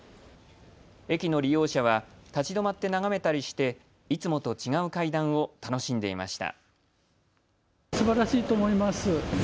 駅の利用者は立ち止まって眺めたりしていつもと違う階段を楽しんでいました。